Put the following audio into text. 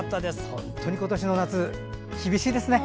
本当に今年の夏、厳しいですね。